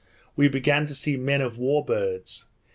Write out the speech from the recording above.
we began to see men of war birds.